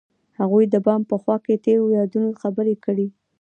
هغوی د بام په خوا کې تیرو یادونو خبرې کړې.